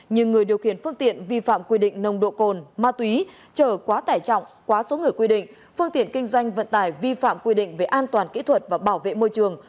như người điều khiển phương tiện vi phạm quy định nồng độ cồn ma túy trở quá tải trọng quá số người quy định phương tiện kinh doanh vận tải vi phạm quy định về an toàn kỹ thuật và bảo vệ môi trường